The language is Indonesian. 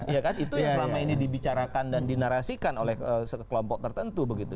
ya kan itu yang selama ini dibicarakan dan dinarasikan oleh sekelompok tertentu begitu